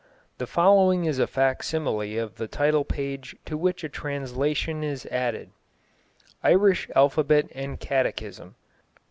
The following is a facsimile of the title page to which a translation is added: Irish Alphabet and Catechism.